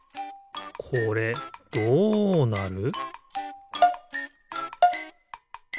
これどうなる？